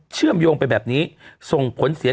เชื่อมโยงไปแบบนี้ส่งผลเสีย